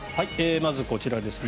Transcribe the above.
まずこちらですね